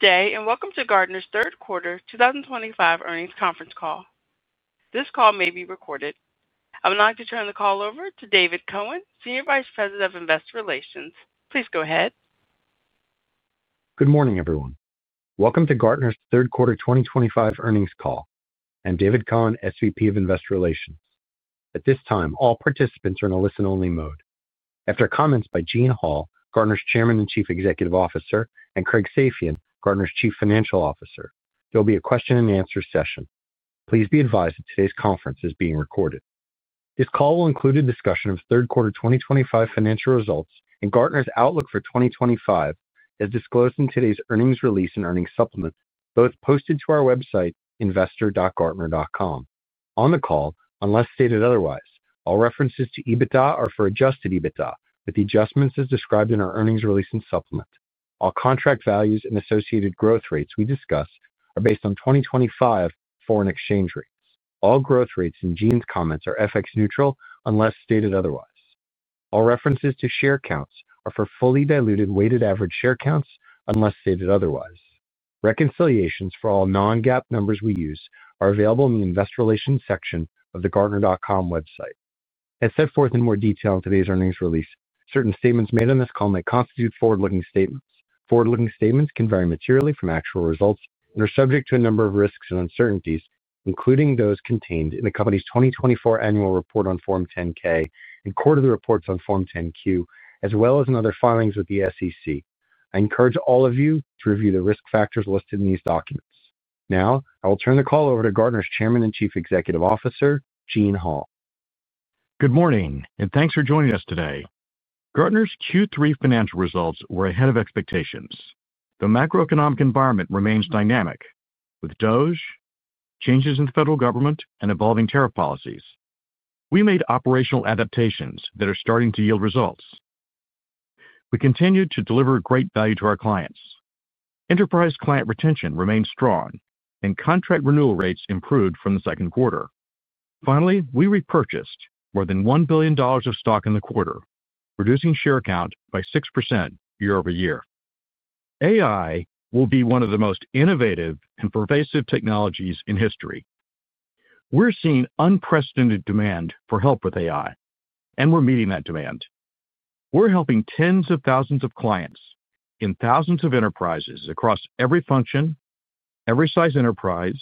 Good day and welcome to Gartner's Third Quarter 2025 Earnings Conference Call. This call may be recorded. I would like to turn the call over to David Cohen, Senior Vice President of Investor Relations. Please go ahead. Good morning, everyone. Welcome to Gartner's Third Quarter 2025 Earnings Call. I'm David Cohen, SVP of Investor Relations. At this time, all participants are in a listen-only mode. After comments by Gene Hall, Gartner's Chairman and Chief Executive Officer, and Craig Safian, Gartner's Chief Financial Officer, there will be a question-and-answer session. Please be advised that today's conference is being recorded. This call will include a discussion of Third Quarter 2025 financial results and Gartner's outlook for 2025, as disclosed in today's earnings release and earnings supplement, both posted to our website, investor.gartner.com. On the call, unless stated otherwise, all references to EBITDA are for adjusted EBITDA, with the adjustments as described in our earnings release and supplement. All contract values and associated growth rates we discuss are based on 2025 foreign exchange rates. All growth rates in Gene's comments are FX neutral, unless stated otherwise. All references to share counts are for fully diluted weighted average share counts, unless stated otherwise. Reconciliations for all non-GAAP numbers we use are available in the Investor Relations section of the gartner.com website. As set forth in more detail in today's earnings release, certain statements made on this call may constitute forward-looking statements. Forward-looking statements can vary materially from actual results and are subject to a number of risks and uncertainties, including those contained in the company's 2024 annual report on Form 10-K and quarterly reports on Form 10-Q, as well as in other filings with the U.S. Securities and Exchange Commission. I encourage all of you to review the risk factors listed in these documents. Now, I will turn the call over to Gartner's Chairman and Chief Executive Officer, Gene Hall. Good morning, and thanks for joining us today. Gartner's Q3 financial results were ahead of expectations. The macroeconomic environment remains dynamic, with DOGE, changes in the federal government, and evolving tariff policies. We made operational adaptations that are starting to yield results. We continued to deliver great value to our clients. Enterprise client retention remained strong, and contract renewal rates improved from the second quarter. Finally, we repurchased more than $1 billion of stock in the quarter, reducing share count by 6% year-over-year. AI will be one of the most innovative and pervasive technologies in history. We're seeing unprecedented demand for help with AI, and we're meeting that demand. We're helping tens of thousands of clients in thousands of enterprises across every function, every size enterprise,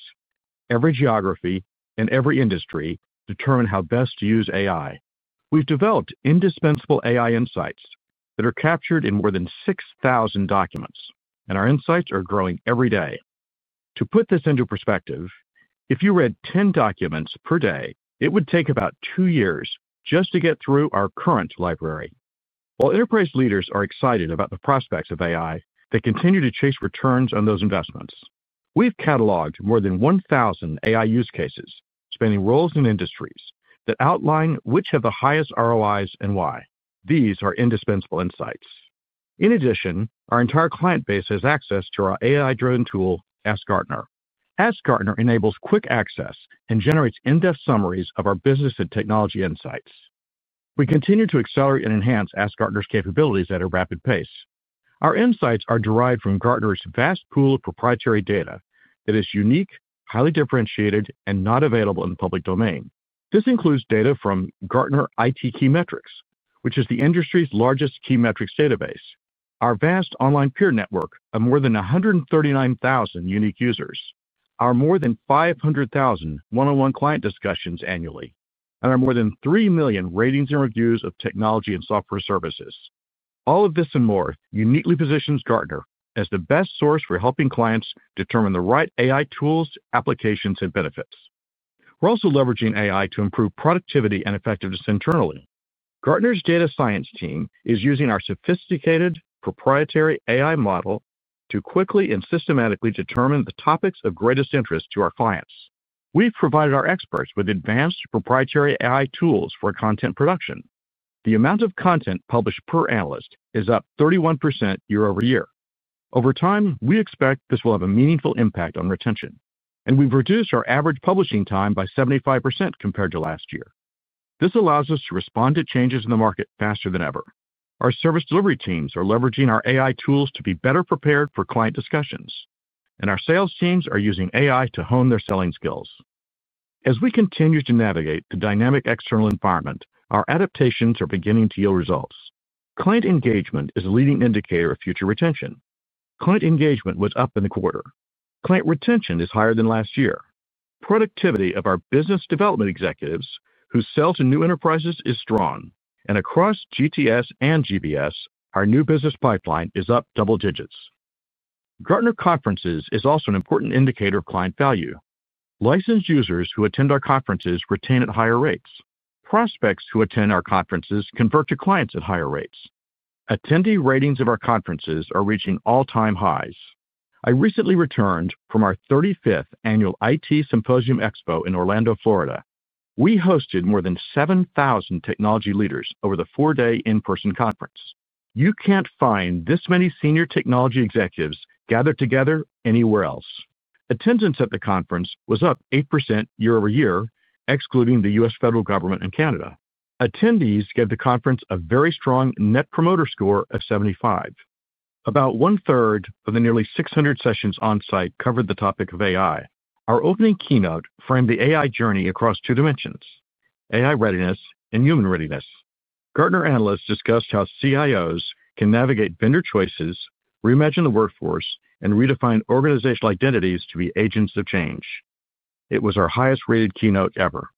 every geography, and every industry determine how best to use AI. We've developed indispensable AI insights that are captured in more than 6,000 documents, and our insights are growing every day. To put this into perspective, if you read 10 documents per day, it would take about two years just to get through our current library. While enterprise leaders are excited about the prospects of AI, they continue to chase returns on those investments. We've cataloged more than 1,000 AI use cases, spanning roles and industries, that outline which have the highest ROIs and why. These are indispensable insights. In addition, our entire client base has access to our AI-driven tool, AskGartner. AskGartner enables quick access and generates in-depth summaries of our business and technology insights. We continue to accelerate and enhance AskGartner's capabilities at a rapid pace. Our insights are derived from Gartner's vast pool of proprietary data that is unique, highly differentiated, and not available in the public domain. This includes data from Gartner IT Key Metrics, which is the industry's largest key metrics database; our vast online peer network of more than 139,000 unique users; our more than 500,000 one-on-one client discussions annually; and our more than 3 million ratings and reviews of technology and software services. All of this and more uniquely positions Gartner as the best source for helping clients determine the right AI tools, applications, and benefits. We're also leveraging AI to improve productivity and effectiveness internally. Gartner's data science team is using our sophisticated proprietary AI model to quickly and systematically determine the topics of greatest interest to our clients. We've provided our experts with advanced proprietary AI tools for content production. The amount of content published per analyst is up 31% year-over-year. Over time, we expect this will have a meaningful impact on retention, and we've reduced our average publishing time by 75% compared to last year. This allows us to respond to changes in the market faster than ever. Our service delivery teams are leveraging our AI tools to be better prepared for client discussions, and our sales teams are using AI to hone their selling skills. As we continue to navigate the dynamic external environment, our adaptations are beginning to yield results. Client engagement is a leading indicator of future retention. Client engagement was up in the quarter. Client retention is higher than last year. Productivity of our business development executives who sell to new enterprises is strong, and across GTS and GBS, our new business pipeline is up double digits. Gartner conferences is also an important indicator of client value. Licensed users who attend our conferences retain at higher rates. Prospects who attend our conferences convert to clients at higher rates. Attendee ratings of our conferences are reaching all-time highs. I recently returned from our 35th Annual IT Symposium/Xpo in Orlando, Florida. We hosted more than 7,000 technology leaders over the four-day in-person conference. You can't find this many senior technology executives gathered together anywhere else. Attendance at the conference was up 8% year-over-year, excluding the U.S. federal government and Canada. Attendees gave the conference a very strong net promoter score of 75. About one-third of the nearly 600 sessions on-site covered the topic of AI. Our opening keynote framed the AI journey across two dimensions: AI readiness and human readiness. Gartner analysts discussed how CIOs can navigate vendor choices, reimagine the workforce, and redefine organizational identities to be agents of change. It was our highest-rated keynote ever.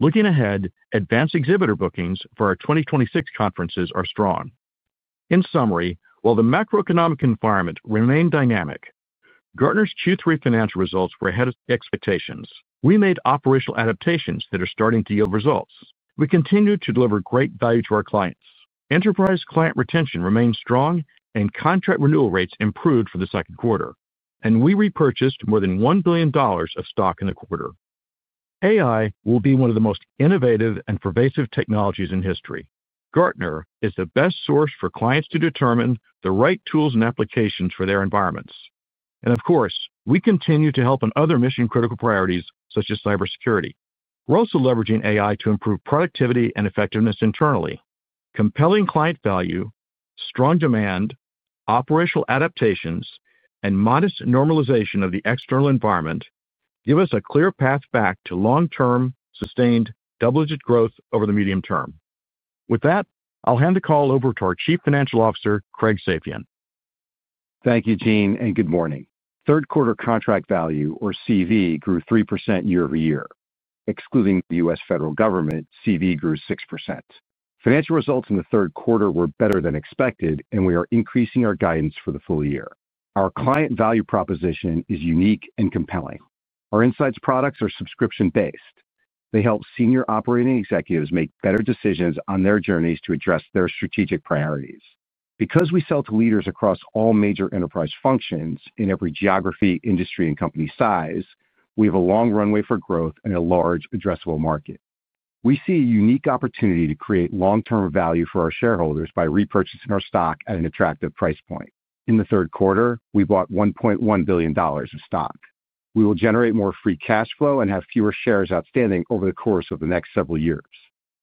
Looking ahead, advanced exhibitor bookings for our 2026 conferences are strong. In summary, while the macroeconomic environment remained dynamic, Gartner's Q3 financial results were ahead of expectations. We made operational adaptations that are starting to yield results. We continue to deliver great value to our clients. Enterprise client retention remained strong, and contract renewal rates improved for the second quarter, and we repurchased more than $1 billion of stock in the quarter. AI will be one of the most innovative and pervasive technologies in history. Gartner is the best source for clients to determine the right tools and applications for their environments. Of course, we continue to help on other mission-critical priorities such as cybersecurity. We're also leveraging AI to improve productivity and effectiveness internally. Compelling client value, strong demand, operational adaptations, and modest normalization of the external environment give us a clear path back to long-term, sustained double-digit growth over the medium term. With that, I'll hand the call over to our Chief Financial Officer, Craig Safian. Thank you, Gene, and good morning. Third-quarter contract value, or CV, grew 3% year-over-year. Excluding the U.S. federal government, CV grew 6%. Financial results in the third quarter were better than expected, and we are increasing our guidance for the full year. Our client value proposition is unique and compelling. Our insights products are subscription-based. They help senior operating executives make better decisions on their journeys to address their strategic priorities. Because we sell to leaders across all major enterprise functions in every geography, industry, and company size, we have a long runway for growth in a large, addressable market. We see a unique opportunity to create long-term value for our shareholders by repurchasing our stock at an attractive price point. In the third quarter, we bought $1.1 billion of stock. We will generate more free cash flow and have fewer shares outstanding over the course of the next several years.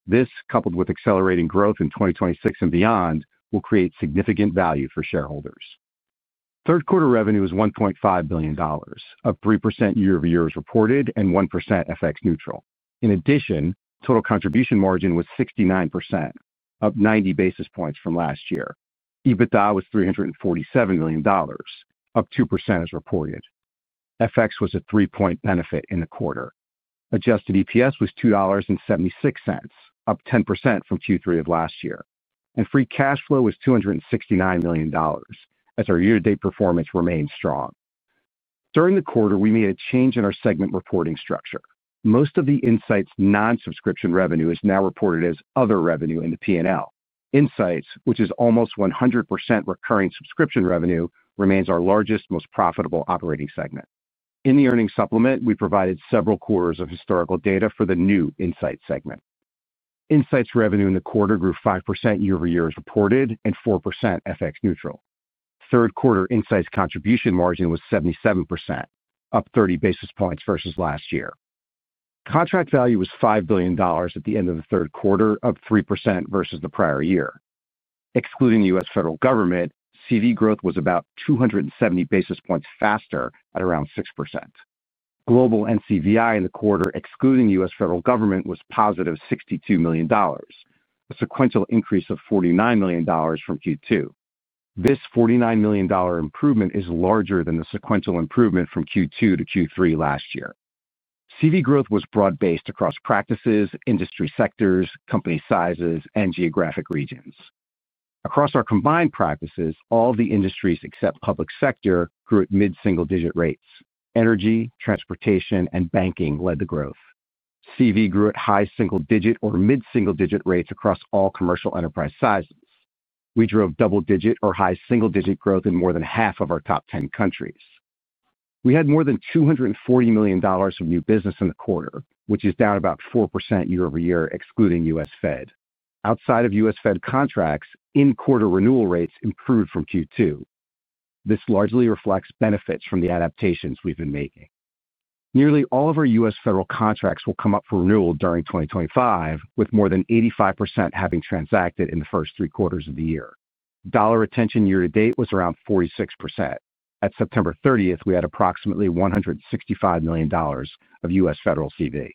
This, coupled with accelerating growth in 2026 and beyond, will create significant value for shareholders. Third-quarter revenue was $1.5 billion, up 3% year-over-year as reported and 1% FX neutral. In addition, total contribution margin was 69%, up 90 basis points from last year. EBITDA was $347 million, up 2% as reported. FX was a 3-point benefit in the quarter. Adjusted EPS was $2.76, up 10% from Q3 of last year. Free cash flow was $269 million, as our year-to-date performance remained strong. During the quarter, we made a change in our segment reporting structure. Most of the insights' non-subscription revenue is now reported as other revenue in the P&L. Insights, which is almost 100% recurring subscription revenue, remains our largest, most profitable operating segment. In the earnings supplement, we provided several quarters of historical data for the new insights segment. Insights revenue in the quarter grew 5% year-over-year as reported and 4% FX neutral. Third-quarter insights contribution margin was 77%, up 30 basis points versus last year. Contract value was $5 billion at the end of the third quarter, up 3% versus the prior year. Excluding the U.S. federal government, CV growth was about 270 basis points faster at around 6%. Global NCVI in the quarter, excluding the U.S. federal government, was positive $62 million, a sequential increase of $49 million from Q2. This $49 million improvement is larger than the sequential improvement from Q2 to Q3 last year. CV growth was broad-based across practices, industry sectors, company sizes, and geographic regions. Across our combined practices, all the industries except public sector grew at mid-single-digit rates. Energy, transportation, and banking led the growth. CV grew at high single-digit or mid-single-digit rates across all commercial enterprise sizes. We drove double-digit or high single-digit growth in more than half of our top 10 countries. We had more than $240 million of new business in the quarter, which is down about 4% year-over-year, excluding U.S. Fed. Outside of U.S. Fed contracts, in-quarter renewal rates improved from Q2. This largely reflects benefits from the adaptations we've been making. Nearly all of our U.S. federal contracts will come up for renewal during 2025, with more than 85% having transacted in the first three quarters of the year. Dollar retention year-to-date was around 46%. At September 30, we had approximately $165 million of U.S. federal CV.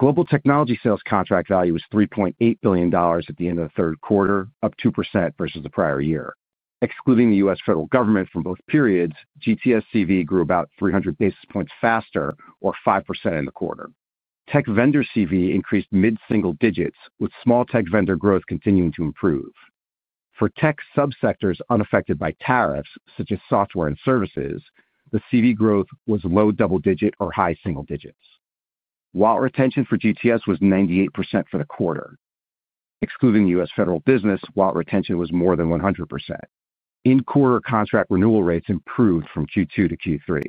Global technology sales contract value was $3.8 billion at the end of the third quarter, up 2% versus the prior year. Excluding the U.S. federal government from both periods, GTS CV grew about 300 basis points faster, or 5% in the quarter. Tech vendor CV increased mid-single digits, with small tech vendor growth continuing to improve. For tech subsectors unaffected by tariffs, such as software and services, the CV growth was low double-digit or high single digits. Wallet retention for GTS was 98% for the quarter, excluding U.S. federal business, while retention was more than 100%. In-quarter contract renewal rates improved from Q2 to Q3.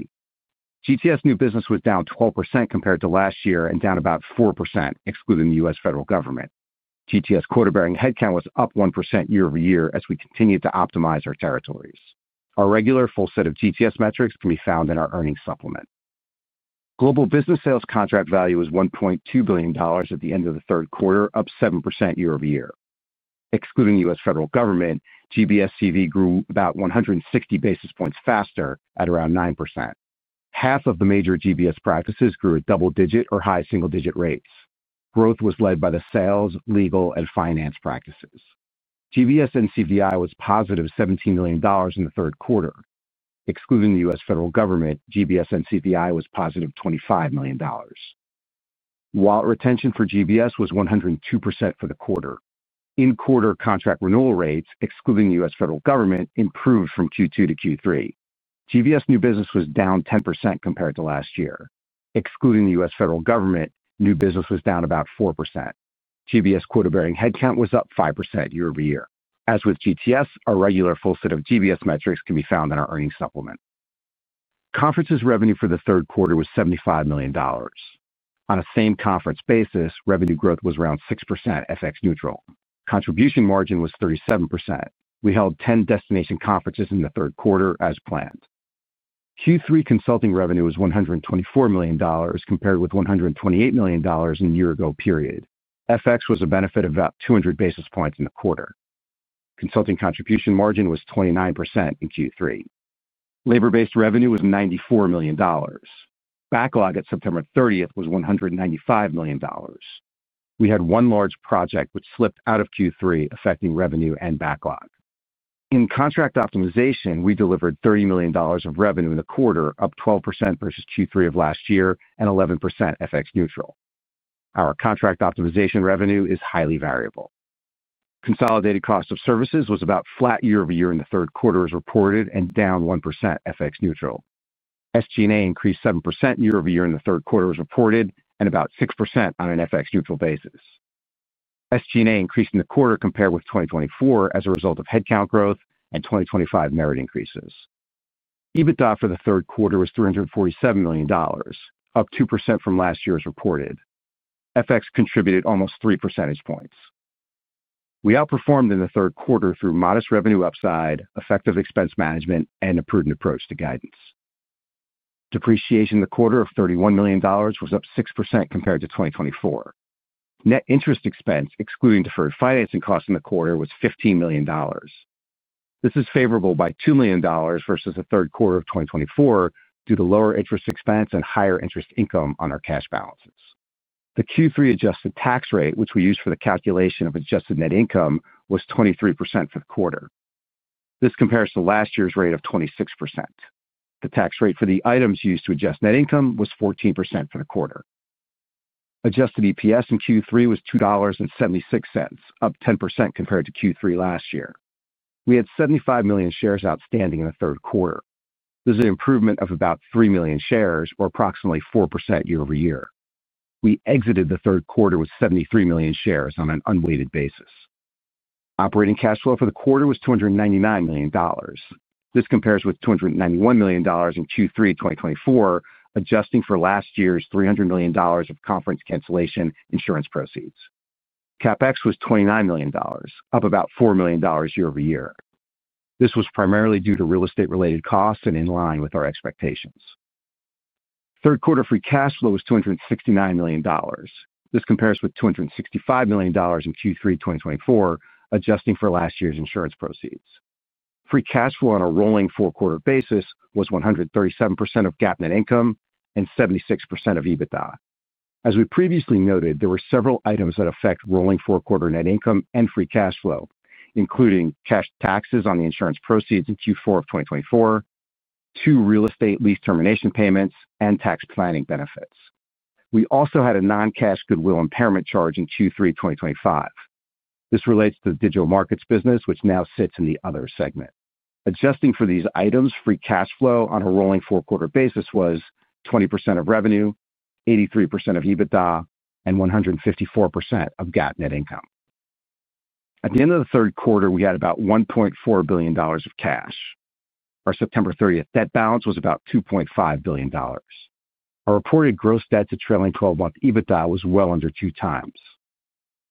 GTS new business was down 12% compared to last year and down about 4%, excluding the U.S. federal government. GTS quota-bearing headcount was up 1% year-over-year as we continued to optimize our territories. Our regular full set of GTS metrics can be found in our earnings supplement. Global business sales contract value was $1.2 billion at the end of the third quarter, up 7% year-over-year. Excluding U.S. federal government, GBS CV grew about 160 basis points faster at around 9%. Half of the major GBS practices grew at double-digit or high single-digit rates. Growth was led by the sales, legal, and finance practices. GBS NCVI was positive $17 million in the third quarter. Excluding the U.S. federal government, GBS NCVI was positive $25 million. Wallet retention for GBS was 102% for the quarter. In-quarter contract renewal rates, excluding the U.S. federal government, improved from Q2 to Q3. GBS new business was down 10% compared to last year. Excluding the U.S. federal government, new business was down about 4%. GBS quota-bearing headcount was up 5% year-over-year. As with GTS, our regular full set of GBS metrics can be found in our earnings supplement. Conferences revenue for the third quarter was $75 million. On a same conference basis, revenue growth was around 6% FX neutral. Contribution margin was 37%. We held 10 destination conferences in the third quarter as planned. Q3 consulting revenue was $124 million compared with $128 million in the year-ago period. FX was a benefit of about 200 basis points in the quarter. Consulting contribution margin was 29% in Q3. Labor-based revenue was $94 million. Backlog at September 30 was $195 million. We had one large project which slipped out of Q3, affecting revenue and backlog. In contract optimization, we delivered $30 million of revenue in the quarter, up 12% versus Q3 of last year and 11% FX neutral. Our contract optimization revenue is highly variable. Consolidated cost of services was about flat year-over-year in the third quarter as reported and down 1% FX neutral. SG&A increased 7% year-over-year in the third quarter as reported and about 6% on an FX neutral basis. SG&A increased in the quarter compared with 2024 as a result of headcount growth and 2025 merit increases. EBITDA for the third quarter was $347 million, up 2% from last year as reported. FX contributed almost 3 percentage points. We outperformed in the third quarter through modest revenue upside, effective expense management, and a prudent approach to guidance. Depreciation in the quarter of $31 million was up 6% compared to 2024. Net interest expense, excluding deferred financing costs in the quarter, was $15 million. This is favorable by $2 million versus the third quarter of 2024 due to lower interest expense and higher interest income on our cash balances. The Q3 adjusted tax rate, which we used for the calculation of adjusted net income, was 23% for the quarter. This compares to last year's rate of 26%. The tax rate for the items used to adjust net income was 14% for the quarter. Adjusted EPS in Q3 was $2.76, up 10% compared to Q3 last year. We had 75 million shares outstanding in the third quarter. This is an improvement of about 3 million shares, or approximately 4% year-over-year. We exited the third quarter with 73 million shares on an unweighted basis. Operating cash flow for the quarter was $299 million. This compares with $291 million in Q3 2024, adjusting for last year's $300 million of conference cancellation insurance proceeds. CapEx was $29 million, up about $4 million year-over-year. This was primarily due to real estate-related costs and in line with our expectations. Third-quarter free cash flow was $269 million. This compares with $265 million in Q3 2024, adjusting for last year's insurance proceeds. Free cash flow on a rolling four-quarter basis was 137% of GAAP net income and 76% of EBITDA. As we previously noted, there were several items that affect rolling four-quarter net income and free cash flow, including cash taxes on the insurance proceeds in Q4 of 2024. Two real estate lease termination payments, and tax planning benefits. We also had a non-cash goodwill impairment charge in Q3 2025. This relates to the digital markets business, which now sits in the other segment. Adjusting for these items, free cash flow on a rolling four-quarter basis was 20% of revenue, 83% of EBITDA, and 154% of GAAP net income. At the end of the third quarter, we had about $1.4 billion of cash. Our September 30th debt balance was about $2.5 billion. Our reported gross debt to trailing 12-month EBITDA was well under two times.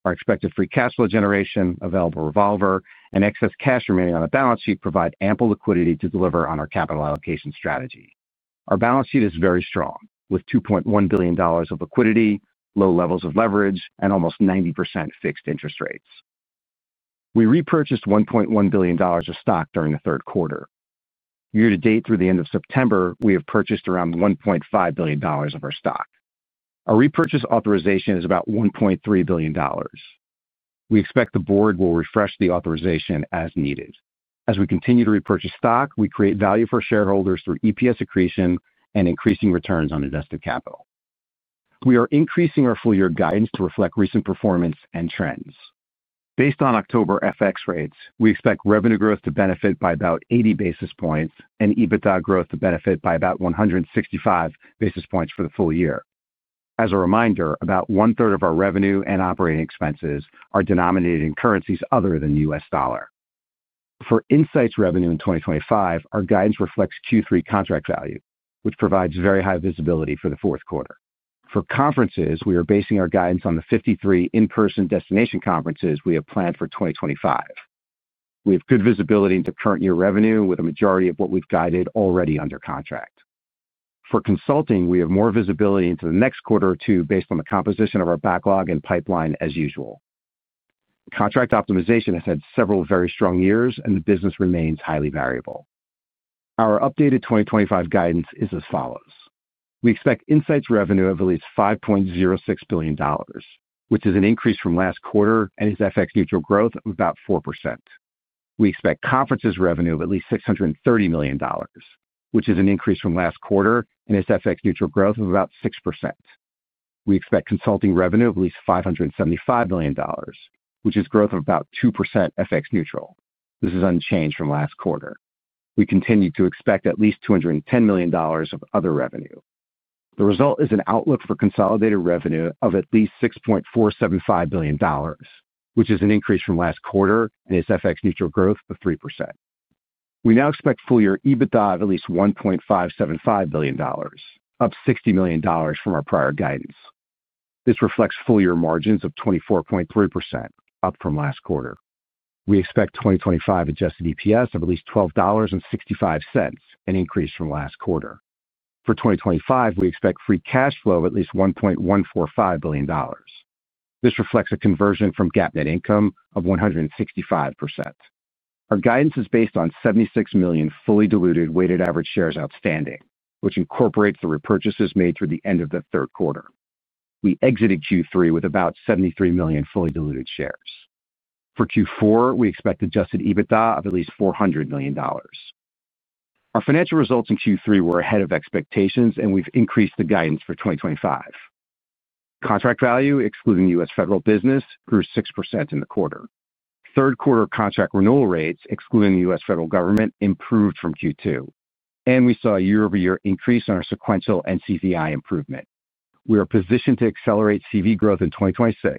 Our expected free cash flow generation, available revolver, and excess cash remaining on the balance sheet provide ample liquidity to deliver on our capital allocation strategy. Our balance sheet is very strong, with $2.1 billion of liquidity, low levels of leverage, and almost 90% fixed interest rates. We repurchased $1.1 billion of stock during the third quarter. Year-to-date through the end of September, we have purchased around $1.5 billion of our stock. Our repurchase authorization is about $1.3 billion. We expect the board will refresh the authorization as needed. As we continue to repurchase stock, we create value for shareholders through EPS accretion and increasing returns on invested capital. We are increasing our full-year guidance to reflect recent performance and trends. Based on October FX rates, we expect revenue growth to benefit by about 80 basis points and EBITDA growth to benefit by about 165 basis points for the full year. As a reminder, about one-third of our revenue and operating expenses are denominated in currencies other than US dollar. For insights revenue in 2025, our guidance reflects Q3 contract value, which provides very high visibility for the fourth quarter. For conferences, we are basing our guidance on the 53 in-person destination conferences we have planned for 2025. We have good visibility into current year revenue with a majority of what we've guided already under contract. For consulting, we have more visibility into the next quarter or two based on the composition of our backlog and pipeline as usual. Contract optimization has had several very strong years, and the business remains highly variable. Our updated 2025 guidance is as follows. We expect insights revenue of at least $5.06 billion, which is an increase from last quarter and its FX neutral growth of about 4%. We expect conferences revenue of at least $630 million, which is an increase from last quarter and its FX neutral growth of about 6%. We expect consulting revenue of at least $575 million, which is growth of about 2% FX neutral. This is unchanged from last quarter. We continue to expect at least $210 million of other revenue. The result is an outlook for consolidated revenue of at least $6.475 billion, which is an increase from last quarter and its FX neutral growth of 3%. We now expect full-year EBITDA of at least $1.575 billion, up $60 million from our prior guidance. This reflects full-year margins of 24.3%, up from last quarter. We expect 2025 adjusted EPS of at least $12.65, an increase from last quarter. For 2025, we expect free cash flow of at least $1.145 billion. This reflects a conversion from GAAP net income of 165%. Our guidance is based on 76 million fully diluted weighted average shares outstanding, which incorporates the repurchases made through the end of the third quarter. We exited Q3 with about 73 million fully diluted shares. For Q4, we expect adjusted EBITDA of at least $400 million. Our financial results in Q3 were ahead of expectations, and we've increased the guidance for 2025. Contract value, excluding US federal business, grew 6% in the quarter. Third-quarter contract renewal rates, excluding the U.S. federal government, improved from Q2. We saw a year-over-year increase in our sequential NCVI improvement. We are positioned to accelerate CV growth in 2026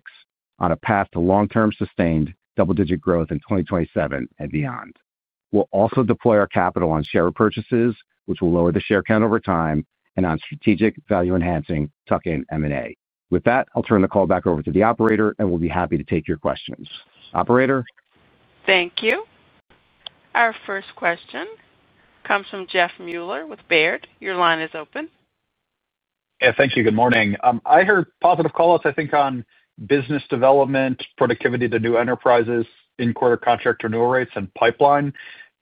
on a path to long-term sustained double-digit growth in 2027 and beyond. We'll also deploy our capital on share repurchases, which will lower the share count over time, and on strategic value enhancing tuck-in M&A. With that, I'll turn the call back over to the operator, and we'll be happy to take your questions. Operator. Thank you. Our first question comes from Jeff Meuler with Baird. Your line is open. Yeah, thank you. Good morning. I heard positive callouts, I think, on business development, productivity to new enterprises, in-quarter contract renewal rates, and pipeline.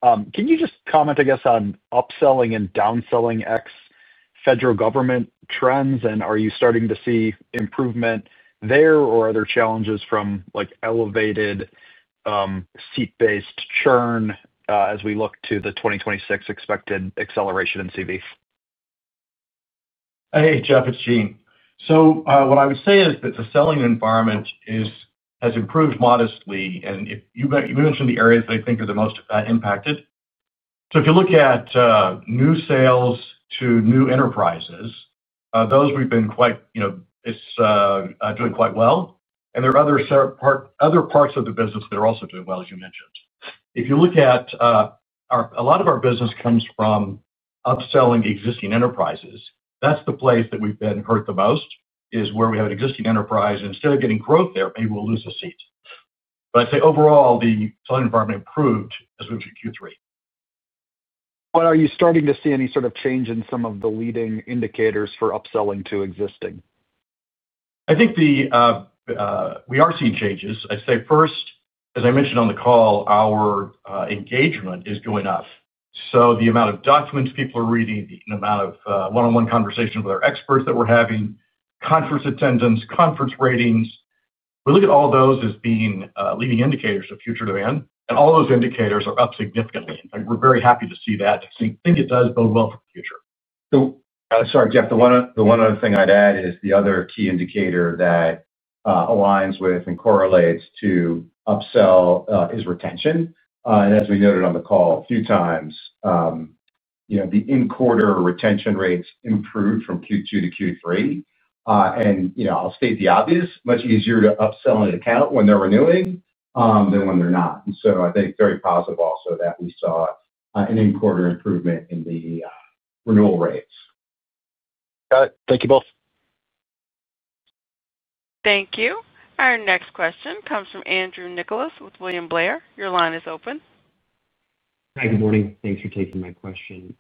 Can you just comment, I guess, on upselling and downselling ex-federal government trends, and are you starting to see improvement there, or are there challenges from elevated seat-based churn as we look to the 2026 expected acceleration in CV? Hey, Jeff, it's Gene. What I would say is that the selling environment has improved modestly, and you mentioned the areas that I think are the most impacted. If you look at new sales to new enterprises, those we've been quite—it's doing quite well. There are other parts of the business that are also doing well, as you mentioned. A lot of our business comes from upselling existing enterprises. That's the place that we've been hurt the most, is where we have an existing enterprise. Instead of getting growth there, maybe we'll lose a seat. I'd say overall, the selling environment improved as we look to Q3. Are you starting to see any sort of change in some of the leading indicators for upselling to existing? I think we are seeing changes. I'd say first, as I mentioned on the call, our engagement is going up. The amount of documents people are reading, the amount of one-on-one conversations with our experts that we're having, conference attendance, conference ratings, we look at all those as being leading indicators of future demand. All those indicators are up significantly. We're very happy to see that. I think it does bode well for the future. Sorry, Jeff, the one other thing I'd add is the other key indicator that aligns with and correlates to upsell is retention. As we noted on the call a few times, the in-quarter retention rates improved from Q2 to Q3. I'll state the obvious, much easier to upsell an account when they're renewing than when they're not. I think very positive also that we saw an in-quarter improvement in the renewal rates. Got it. Thank you both. Thank you. Our next question comes from Andrew Nicholas with William Blair. Your line is open. Hi, good morning. Thanks for taking my question.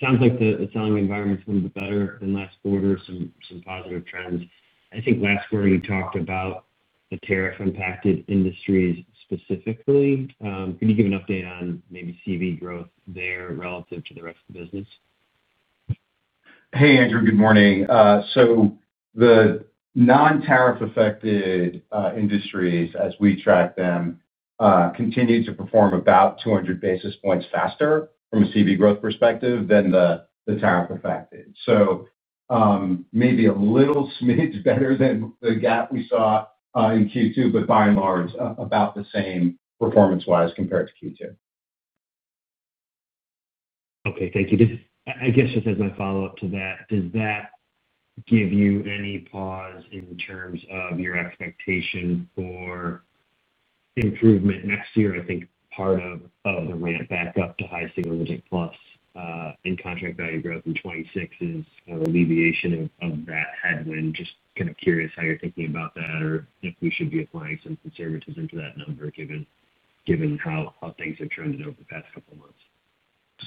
Sounds like the selling environment's a little bit better than last quarter, some positive trends. I think last quarter you talked about the tariff-impacted industries specifically. Can you give an update on maybe CV growth there relative to the rest of the business? Hey, Andrew, good morning. The non-tariff-affected industries, as we track them, continue to perform about 200 basis points faster from a CV growth perspective than the tariff-affected. Maybe a little smidge better than the gap we saw in Q2, but by and large, about the same performance-wise compared to Q2. Okay, thank you. I guess just as my follow-up to that, does that give you any pause in terms of your expectation for improvement next year? I think part of the ramp back up to high single digit plus in contract value growth in 2026 is kind of alleviation of that headwind. Just kind of curious how you're thinking about that or if we should be applying some conservatism to that number given how things have trended over the past couple of months.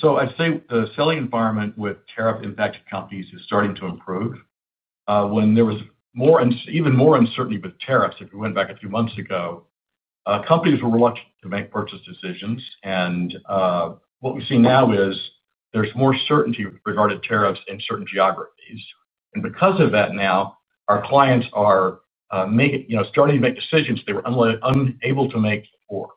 I'd say the selling environment with tariff-impacted companies is starting to improve. When there was even more uncertainty with tariffs, if we went back a few months ago, companies were reluctant to make purchase decisions. What we've seen now is there's more certainty with regard to tariffs in certain geographies. Because of that now, our clients are starting to make decisions they were unable to make before.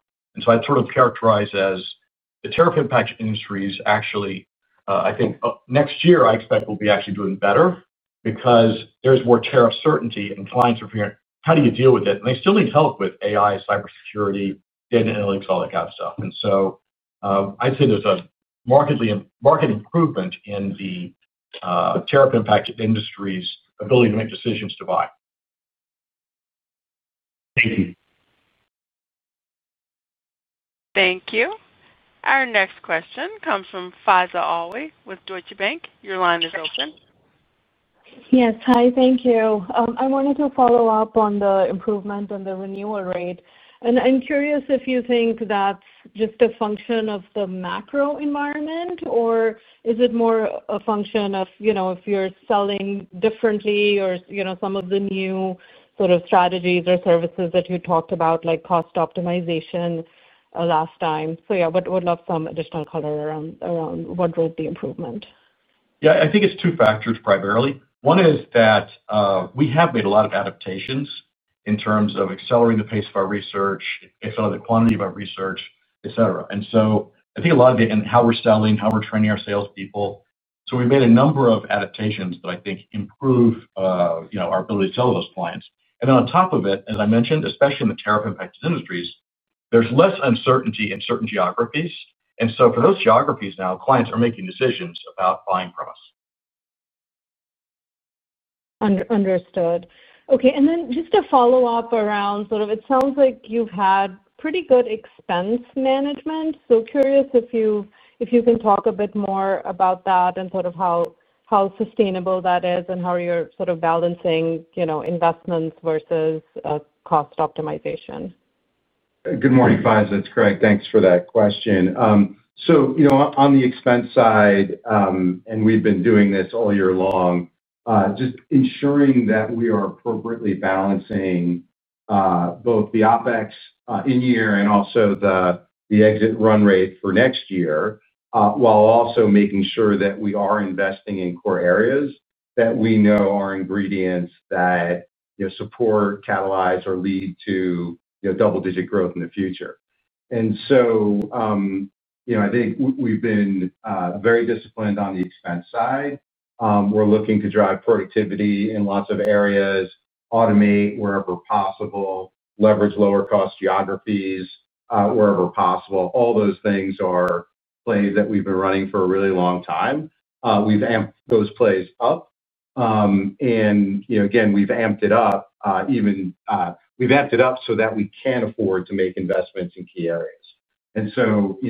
I'd sort of characterize the tariff-impacted industries actually, I think next year, I expect we'll be actually doing better because there's more tariff certainty and clients are figuring out how do you deal with it. They still need help with AI, cybersecurity, data analytics, all that kind of stuff. I'd say there's a marked improvement in the tariff-impacted industries' ability to make decisions to buy. Thank you. Thank you. Our next question comes from Faiza Alwy with Deutsche Bank. Your line is open. Yes, hi, thank you. I wanted to follow up on the improvement in the renewal rate. I'm curious if you think that's just a function of the macro environment, or is it more a function of if you're selling differently or some of the new sort of strategies or services that you talked about, like cost optimization last time? Would love some additional color around what drove the improvement. I think it's two factors primarily. One is that we have made a lot of adaptations in terms of accelerating the pace of our research, accelerating the quantity of our research, etc. I think a lot of it in how we're selling, how we're training our salespeople. We've made a number of adaptations that I think improve our ability to sell to those clients. Then on top of it, as I mentioned, especially in the tariff-impacted industries, there's less uncertainty in certain geographies. For those geographies now, clients are making decisions about buying from us. Understood. Okay. Just to follow up around sort of, it sounds like you've had pretty good expense management. Curious if you can talk a bit more about that and how sustainable that is and how you're balancing investments versus cost optimization. Good morning, Faiza. That's correct. Thanks for that question. On the expense side, we've been doing this all year long, just ensuring that we are appropriately balancing both the OpEx in year and also the exit run rate for next year, while also making sure that we are investing in core areas that we know are ingredients that support, catalyze, or lead to double-digit growth in the future. I think we've been very disciplined on the expense side. We're looking to drive productivity in lots of areas, automate wherever possible, leverage lower-cost geographies wherever possible. All those things are plays that we've been running for a really long time. We've amped those plays up. We've amped it up so that we can afford to make investments in key areas.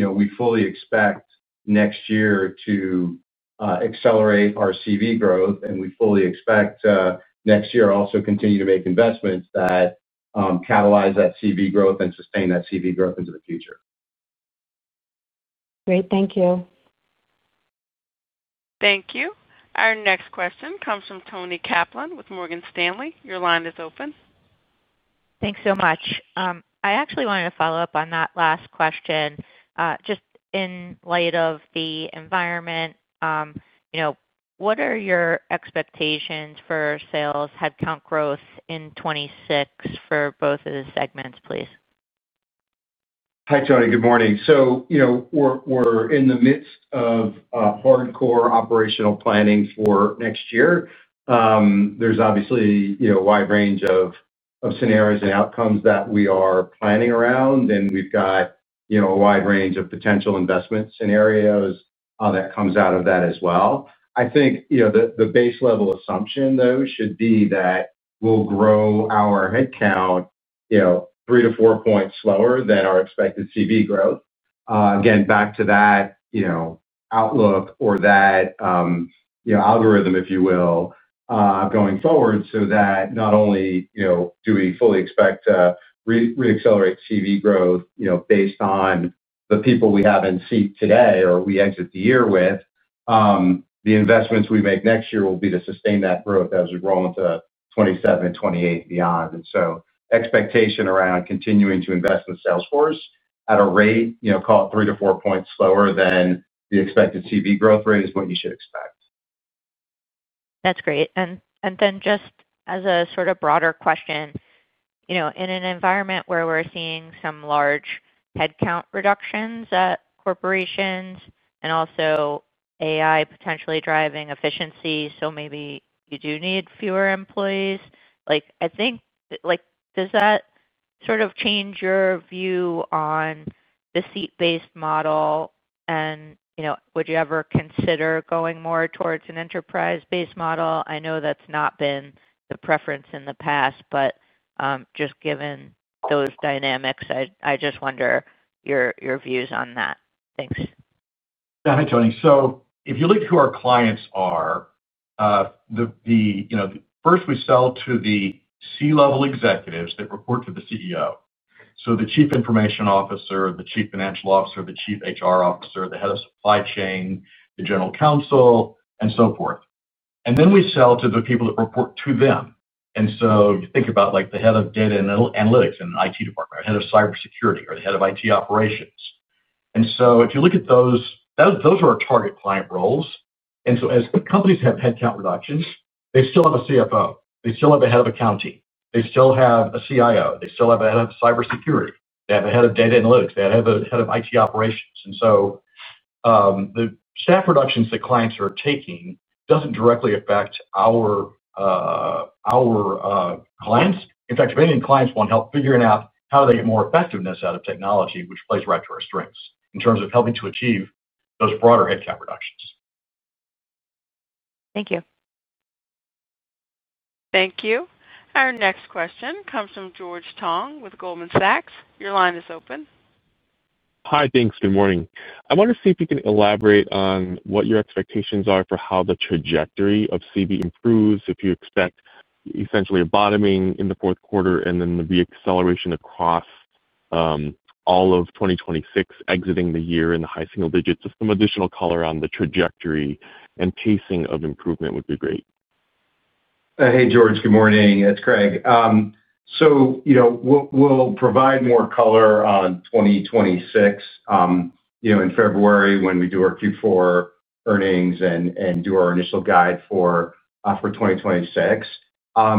We fully expect next year to accelerate our CV growth, and we fully expect next year also to continue to make investments that catalyze that CV growth and sustain that CV growth into the future. Great. Thank you. Thank you. Our next question comes from Toni Kaplan with Morgan Stanley. Your line is open. Thanks so much. I actually wanted to follow up on that last question. In light of the environment, what are your expectations for sales headcount growth in 2026 for both of the segments, please? Hi, Toni. Good morning. We're in the midst of hardcore operational planning for next year. There's obviously a wide range of scenarios and outcomes that we are planning around, and we've got a wide range of potential investments in areas that come out of that as well. I think the base-level assumption, though, should be that we'll grow our headcount three to four points slower than our expected CV growth. Again, back to that outlook or that algorithm, if you will, going forward so that not only do we fully expect to re-accelerate CV growth based on the people we have in seat today or we exit the year with, the investments we make next year will be to sustain that growth as we roll into 2027, 2028, beyond. Expectation around continuing to invest in Salesforce at a rate, call it three to four points slower than the expected CV growth rate, is what you should expect. That's great. Just as a broader question, in an environment where we're seeing some large headcount reductions at corporations and also AI potentially driving efficiency, so maybe you do need fewer employees, I think. Does that sort of change your view on. The seat-based model? And would you ever consider going more towards an enterprise-based model? I know that's not been the preference in the past, but just given those dynamics, I just wonder your views on that. Thanks. Yeah, hi, Toni. So if you look at who our clients are. The first we sell to the C-level executives that report to the CEO, so the chief information officer, the chief financial officer, the chief HR officer, the head of supply chain, the general counsel, and so forth. And then we sell to the people that report to them. You think about the head of data and analytics in an IT department, or head of cybersecurity, or the head of IT operations. If you look at those, those are our target client roles. As companies have headcount reductions, they still have a CFO. They still have a head of accounting. They still have a CIO. They still have a head of cybersecurity. They have a head of data analytics. They have a head of IT operations. The staff reductions that clients are taking doesn't directly affect our clients. In fact, if any of the clients want help figuring out how do they get more effectiveness out of technology, which plays right to our strengths in terms of helping to achieve those broader headcount reductions. Thank you. Thank you. Our next question comes from George Tong with Goldman Sachs. Your line is open. Hi, thanks. Good morning. I want to see if you can elaborate on what your expectations are for how the trajectory of CV improves, if you expect essentially a bottoming in the fourth quarter and then the re-acceleration across all of 2026, exiting the year in the high single digits. Some additional color on the trajectory and pacing of improvement would be great. Hey, George. Good morning. It's Craig. We'll provide more color on 2026 in February when we do our Q4 earnings and do our initial guide for 2026.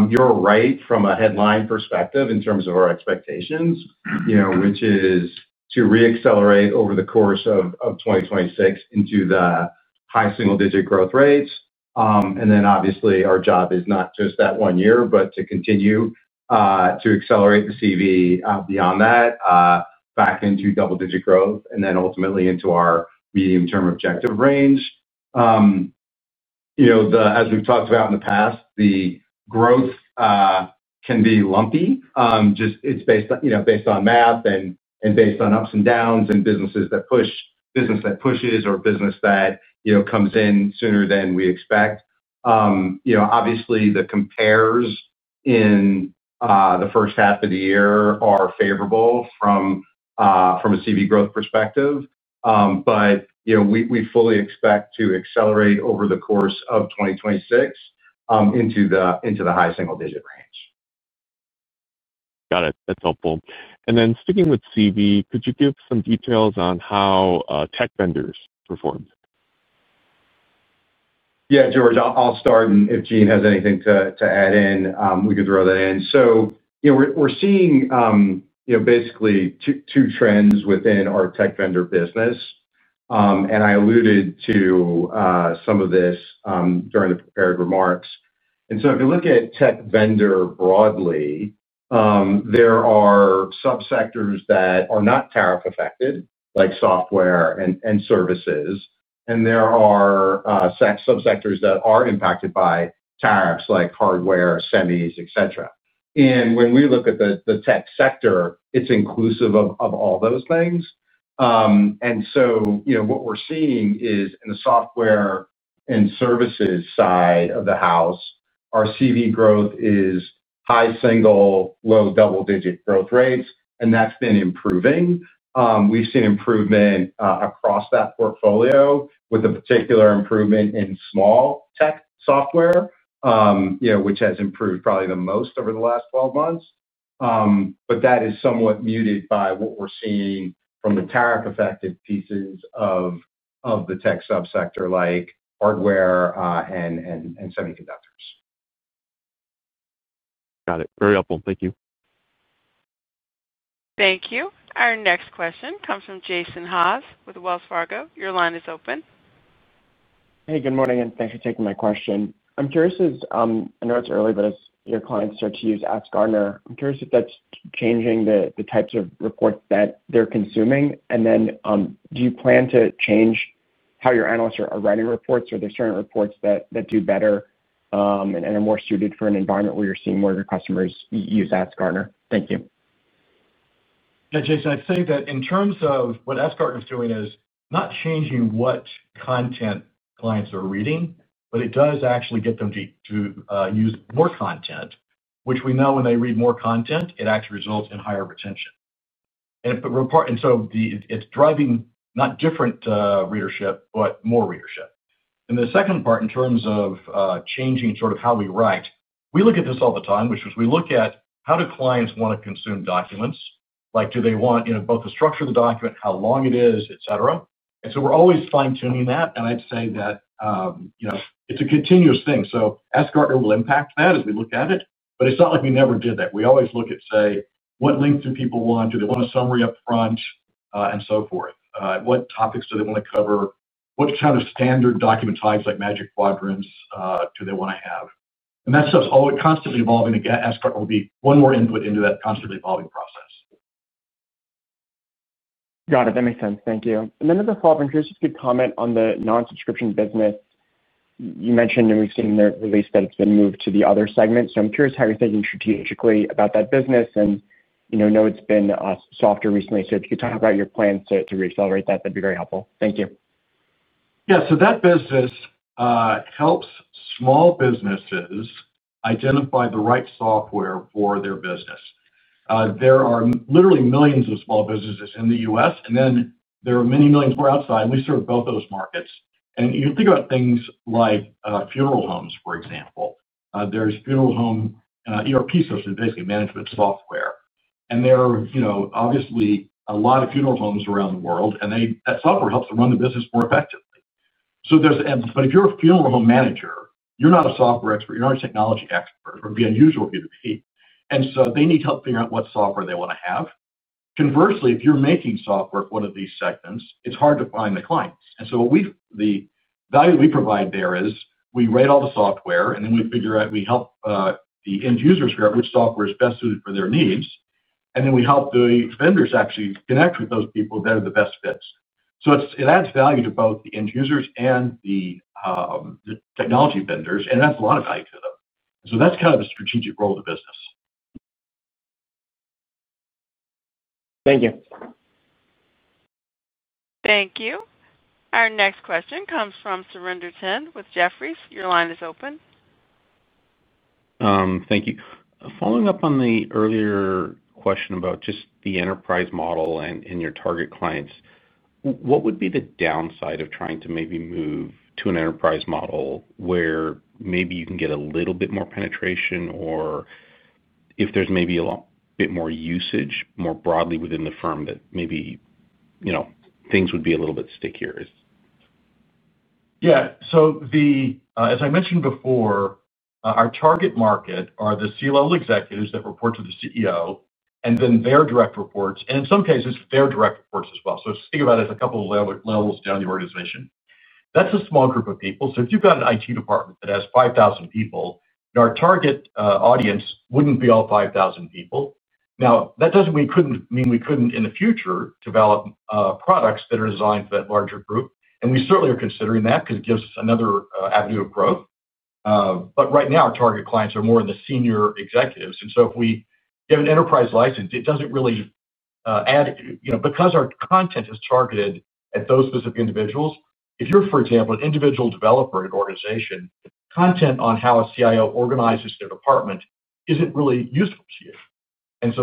You're right from a headline perspective in terms of our expectations, which is to re-accelerate over the course of 2026 into the high single digit growth rates. Obviously, our job is not just that one year, but to continue to accelerate the CV beyond that, back into double digit growth, and then ultimately into our medium-term objective range. As we've talked about in the past, the growth can be lumpy. It's based on math and based on ups and downs and businesses that push, business that pushes or business that comes in sooner than we expect. Obviously, the compares in the first half of the year are favorable from a CV growth perspective. We fully expect to accelerate over the course of 2026 into the high single digit range. Got it. That's helpful. Sticking with CV, could you give some details on how tech vendors performed? Yeah, George, I'll start, and if Gene has anything to add in, we can throw that in. We're seeing basically two trends within our tech vendor business. I alluded to some of this during the prepared remarks. If you look at tech vendor broadly, there are subsectors that are not tariff-affected, like software and services, and there are subsectors that are impacted by tariffs, like hardware, semis, etc. When we look at the tech sector, it's inclusive of all those things. What we're seeing is in the software and services side of the house, our CV growth is high single, low double digit growth rates, and that's been improving. We've seen improvement across that portfolio, with a particular improvement in small tech software, which has improved probably the most over the last 12 months. That is somewhat muted by what we're seeing from the tariff-affected pieces of the tech subsector, like hardware and semiconductors. Got it. Very helpful. Thank you. Thank you. Our next question comes from Jason Haas with Wells Fargo. Your line is open. Hey, good morning, and thanks for taking my question. I'm curious, I know it's early, but as your clients start to use AskGartner, I'm curious if that's changing the types of reports that they're consuming. Do you plan to change how your analysts are writing reports, or are there certain reports that do better and are more suited for an environment where you're seeing more of your customers use AskGartner? Thank you. Yeah, Jason, I'd say that in terms of what AskGartner is doing, it's not changing what content clients are reading, but it does actually get them to use more content, which we know when they read more content, it actually results in higher retention. It's driving not different readership, but more readership. The second part, in terms of changing sort of how we write, we look at this all the time, which is we look at how do clients want to consume documents. Do they want both the structure of the document, how long it is, etc.? We're always fine-tuning that. I'd say that it's a continuous thing. Ask Gartner will impact that as we look at it, but it's not like we never did that. We always look at, say, what length do people want? Do they want a summary upfront and so forth? What topics do they want to cover? What kind of standard document types like magic quadrants do they want to have? That stuff's always constantly evolving, and Ask Gartner will be one more input into that constantly evolving process. Got it. That makes sense. Thank you. And then as a follow-up, I'm curious if you could comment on the non-subscription business. You mentioned, and we've seen in the release that it's been moved to the other segment. I'm curious how you're thinking strategically about that business. I know it's been softer recently, so if you could talk about your plans to re-accelerate that, that'd be very helpful. Thank you. Yeah. That business helps small businesses identify the right software for their business. There are literally millions of small businesses in the US, and then there are many millions more outside. We serve both those markets. You can think about things like funeral homes, for example. There are funeral home ERP systems, basically management software. There are obviously a lot of funeral homes around the world, and that software helps them run the business more effectively. If you're a funeral home manager, you're not a software expert. You're not a technology expert, which would be unusual for you to be. They need help figuring out what software they want to have. Conversely, if you're making software for one of these segments, it's hard to find the clients. The value we provide there is we write all the software, and then we help the end users figure out which software is best suited for their needs. Then we help the vendors actually connect with those people that are the best fits. It adds value to both the end users and the technology vendors, and it adds a lot of value to them. That's kind of the strategic role of the business. Thank you. Thank you. Our next question comes from Surinder Thind with Jefferies. Your line is open. Thank you. Following up on the earlier question about just the enterprise model and your target clients, what would be the downside of trying to maybe move to an enterprise model where maybe you can get a little bit more penetration or if there's maybe a bit more usage more broadly within the firm that maybe things would be a little bit stickier? Yeah. As I mentioned before, our target market are the C-level executives that report to the CEO and then their direct reports, and in some cases, their direct reports as well. Think about it as a couple of levels down the organization. That's a small group of people. If you've got an IT department that has 5,000 people, our target audience wouldn't be all 5,000 people. That doesn't mean we couldn't in the future develop products that are designed for that larger group. We certainly are considering that because it gives us another avenue of growth. Right now, our target clients are more in the senior executives. If we have an enterprise license, it doesn't really add because our content is targeted at those specific individuals. If you're, for example, an individual developer in an organization, content on how a CIO organizes their department isn't really useful to you.